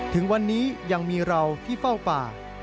ถึงวันนี้ยังมีเราที่เฝ้าป่า